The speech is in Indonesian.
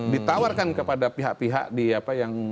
ditawarkan kepada pihak pihak yang